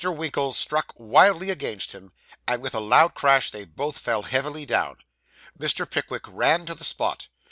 Winkle struck wildly against him, and with a loud crash they both fell heavily down. Mr. Pickwick ran to the spot.